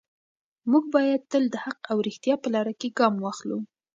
موږ باید تل د حق او ریښتیا په لاره کې ګام واخلو.